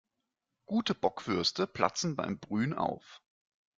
Gute Bockwürste platzen beim Brühen auf.